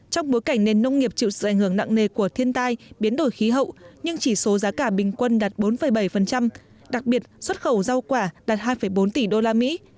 trong bối cảnh nền nông nghiệp chịu sự ảnh hưởng nặng nề của thiên tai biến đổi khí hậu nhưng chỉ số giá cả bình quân đạt bốn bảy đặc biệt xuất khẩu rau quả đạt hai bốn tỷ đô la mỹ